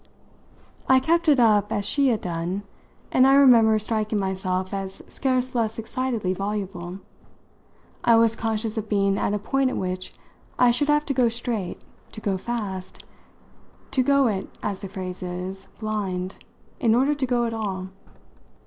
I kept it up as she had done, and I remember striking myself as scarce less excitedly voluble. I was conscious of being at a point at which I should have to go straight, to go fast, to go it, as the phrase is, blind, in order to go at all.